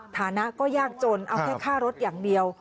ฐานะก็ยากจนเอาแค่ค่ารถอย่างเดียว